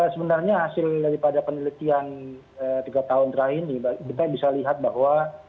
sebenarnya hasil daripada penelitian tiga tahun terakhir ini kita bisa lihat bahwa